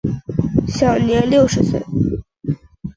享年六十岁。